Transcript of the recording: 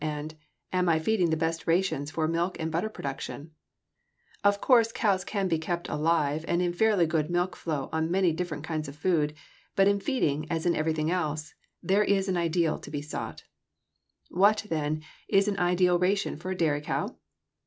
and, Am I feeding the best rations for milk and butter production? Of course cows can be kept alive and in fairly good milk flow on many different kinds of food, but in feeding, as in everything else, there is an ideal to be sought. [Illustration: FIG. 268. MILKING TIME] What, then, is an ideal ration for a dairy cow?